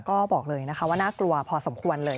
ก็บอกเลยนะคะว่าน่ากลัวพอสมควรเลย